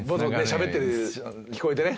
しゃべってる聞こえてね。